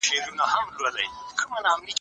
مدني ټولني په سياسي پرېکړو کي ډېر مهم رول لوبوي.